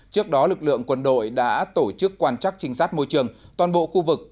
trước đó lực lượng quân đội đã tổ chức quan chắc trinh sát môi trường toàn bộ khu vực